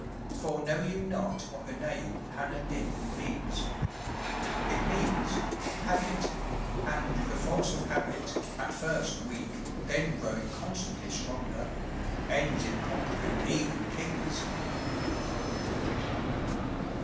For know you not what the name Hanner Dyn means? It means Habit; and the force of habit, at first weak, then growing constantly stronger, ends in conquering even kings!"